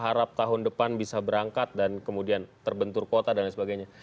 harap tahun depan bisa berangkat dan kemudian terbentur kuota dan sebagainya